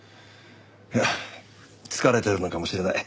いや疲れてるのかもしれない。